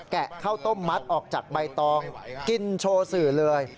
ะข้าวต้มมัดออกจากใบตองกินโชว์สื่อเลย